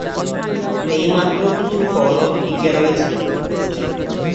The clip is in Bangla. এর মাত্র কিছু ফলক টিকে রয়েছে।